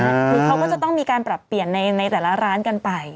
คือเขาก็จะต้องมีการปรับเปลี่ยนในแต่ละร้านกันไป